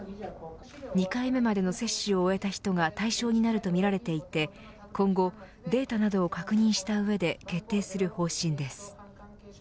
２回目までの接種を終えた人が対象になるとみられていて今後、データなどを確認した上で決定する方針です。